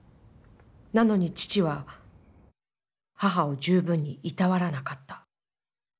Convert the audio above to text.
なのに父は母を十分に労わらなかった。